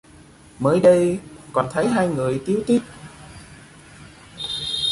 mới đây còn tháy hai người tíu tít